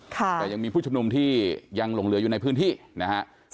แต่ยังมีผู้ชุมนุมที่ยังหลงเหลืออยู่ในพื้นที่นะฮะ